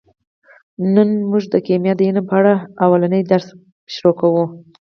نن موږ د کیمیا د علم په اړه لومړنی درس پیلوو